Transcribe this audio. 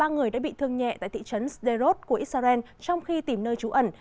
ba người đã bị thương nhẹ tại thị trấn sderot của israel trong khi tìm nơi trú ẩn